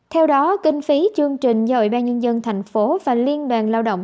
theo đó kinh phí chương trình do ủy ban nhân dân thành phố và liên đoàn lao động